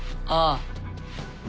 ああ。